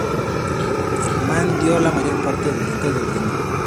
Kauffman dio la mayor parte del dinero.